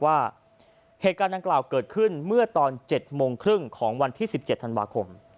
ว่าเหตุการณ์ดังกล่าวเกิดขึ้นเมื่อตอน๗โมงครึ่งของวันที่๑๗ธันวาคม